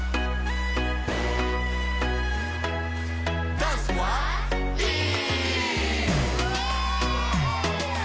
ダンスはＥ！